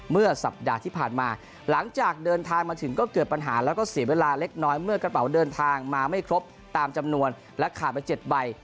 เมื่อสัปดาห์ที่ผ่านมาหลังจากเดินทางมาถึงก็เกิดปัญหาแล้วก็เสียเวลาเล็กน้อยเมื่อกระเป๋าเดินทางมาไม่ครบตามจำนวนและขาดไป๗ใบ